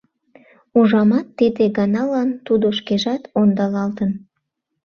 Ужамат, тиде ганалан тудо шкежат ондалалтын.